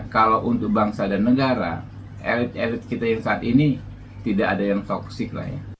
kalau untuk bangsa dan negara elit elit kita yang saat ini tidak ada yang toxic lah ya